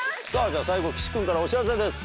最後岸君からお知らせです。